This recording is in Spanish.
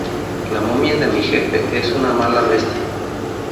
La momia de mi jefe es una mala bestia